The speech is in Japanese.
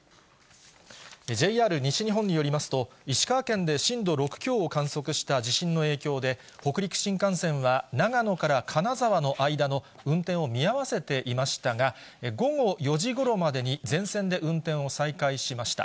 ＪＲ西日本によりますと、石川県で震度６強を観測した地震の影響で、北陸新幹線は、長野から金沢の間の運転を見合わせていましたが、午後４時ごろまでに全線で運転を再開しました。